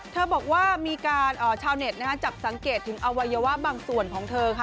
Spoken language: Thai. เธอบอกว่ามีการชาวเน็ตจับสังเกตถึงอวัยวะบางส่วนของเธอค่ะ